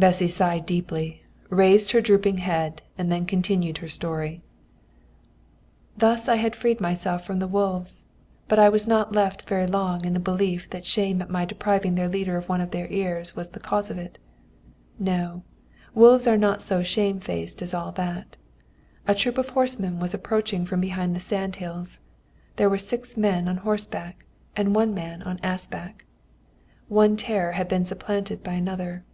Bessy sighed deeply, raised her drooping head, and then continued her story: "Thus I had freed myself from the wolves; but I was not left very long in the belief that shame at my depriving their leader of one of his ears was the cause of it. No! Wolves are not so shamefaced as all that. A troop of horsemen was approaching from behind the sand hills. There were six men on horseback and one man on assback. "One terror had been supplanted by another.